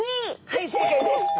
はい正解です。